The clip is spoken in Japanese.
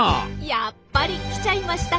やっぱり来ちゃいましたか。